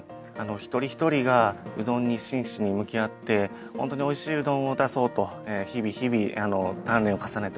一人一人がうどんに真摯に向き合ってホントにおいしいうどんを出そうと日々日々鍛錬を重ねております。